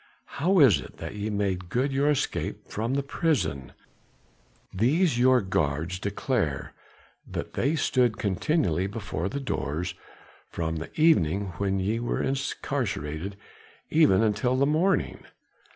"How is it that ye made good your escape from the prison? These your guards declare that they stood continually before the doors from the evening when ye were incarcerated even until the morning."